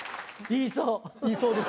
言いそう。